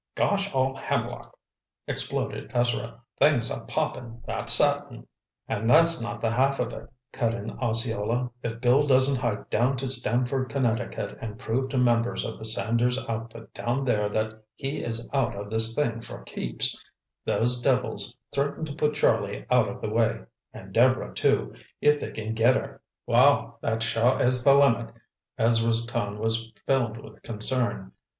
"Gosh all hemlock!" exploded Ezra. "Things are popping, that's certain." "And that's not the half of it," cut in Osceola. "If Bill doesn't hike down to Stamford, Connecticut, and prove to members of the Sanders outfit down there that he is out of this thing for keeps—those devils threaten to put Charlie out of the way, and Deborah too, if they can get her!" "Well, that sure is the limit!" Ezra's tone was filled with concern.